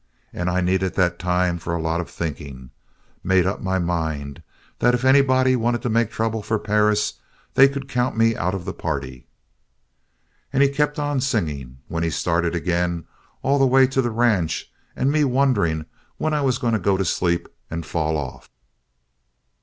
And I needed that time for a lot of thinking. Made up my mind that if anybody wanted to make trouble for Perris they could count me out of the party. "And he kept on singing, when he started again, all the way to the ranch and me wondering when I was going to go to sleep and fall off.